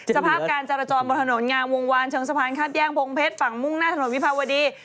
สภาพการจรจรบนถนนงามวงวานเชิงสะพานคัดแย่งพงเพชรฝั่งมุ่งหน้าถนนวิภาวดี